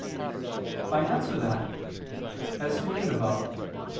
I answer that, As stated above (Q.